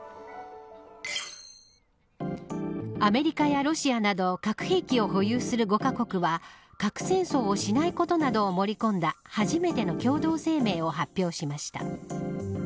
アメリカやロシアなど核兵器を保有する５カ国は核戦争をしないことなどを盛り込んだ初めての共同声明を発表しました。